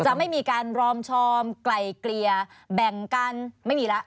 จะไม่มีการรอมชอมกล่ายเกลียร์แบ่งกันไม่มีแล้ว